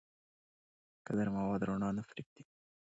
کدر مواد رڼا نه پرېږدي.